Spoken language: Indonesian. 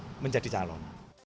untuk menjadi calon